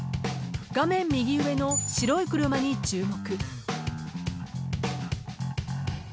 ［画面右上の白い車に注目］